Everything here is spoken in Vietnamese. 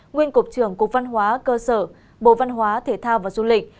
nguyên cục trưởng cục văn hóa cơ sở bộ văn hóa thể thao và du lịch